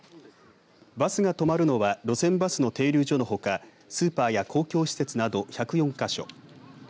バスがとまるのは路線バスの停留所のほかスーパーや公共施設など１０４か所。